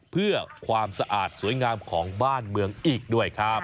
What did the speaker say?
เพื่อความสะอาดสวยงามของบ้านเมืองอีกด้วยครับ